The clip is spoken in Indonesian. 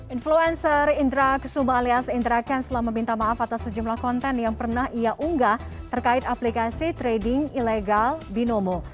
influencer indra kesuma alias indra kents telah meminta maaf atas sejumlah konten yang pernah ia unggah terkait aplikasi trading ilegal binomo